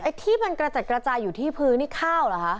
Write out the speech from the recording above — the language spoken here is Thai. ที่มันกระจัดกระจายอยู่ที่พื้นนี่ข้าวเหรอคะ